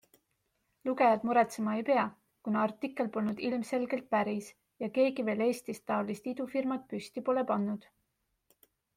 Lugejad muretsema ei pea, kuna artikkel polnud ilmselgelt päris ja keegi veel Eestist taolist idufirmat püsti pole pannud.